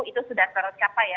itu sudah setara siapa ya